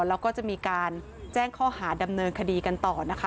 แล้วก็จะมีการแจ้งข้อหาดำเนินคดีกันต่อนะคะ